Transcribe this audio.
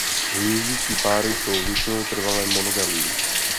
Hnízdící páry jsou většinou trvale monogamní.